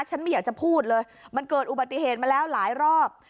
ไม่อยากจะพูดเลยมันเกิดอุบัติเหตุมาแล้วหลายรอบ